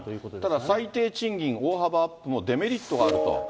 ただ、最低賃金、大幅アップもデメリットがあると。